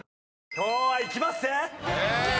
今日はいきまっせ！